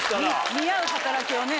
見合う働きをね。